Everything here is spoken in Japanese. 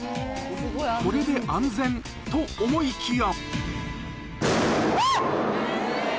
これで安全と思いきや。